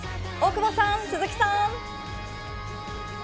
大久保さん、鈴木さん。